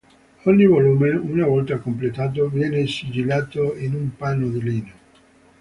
Ogni volume, una volta completato, viene sigillato in un panno di lino.